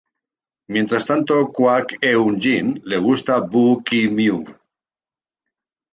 Mientras tanto, Kwak Eun Jin le gusta Woo Ki Myung.